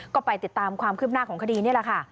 ก็ไปติดตามความคืบหน้าของคดีนี่แหละค่ะ